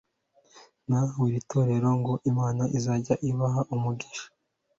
na buri torero ngo Imana izajya ibaha umugisha